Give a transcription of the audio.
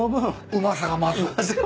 うまさが増す。